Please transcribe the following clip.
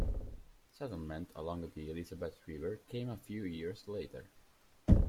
Settlement along the Elizabeth River came a few years later.